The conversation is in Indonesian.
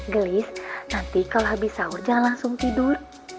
gelis nanti kalau habis sahur jangan langsung tidur